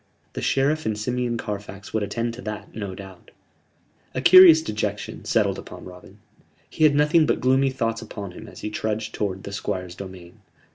The Sheriff and Simeon Carfax would attend to that, no doubt. A curious dejection settled upon Robin. He had nothing but gloomy thoughts upon him as he trudged towards the Squire's domain.